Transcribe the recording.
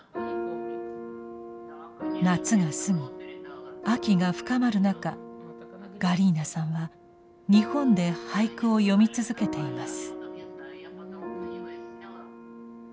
夏が過ぎ秋が深まる中ガリーナさんは日本で俳句を詠み続けています。